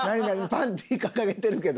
パンティ掲げてるけど。